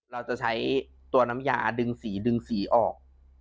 เราจะใช้ตัวน้ำยาดึงสีดึงสีออก